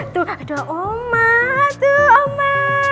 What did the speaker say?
tuh ada oma tuh oma